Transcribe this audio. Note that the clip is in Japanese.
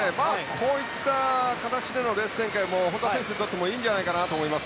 こういった形でのレース展開も選手にとってもいいんじゃないかなと思います。